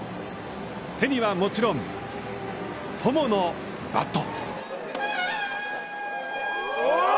手にはもちろん、友のバット。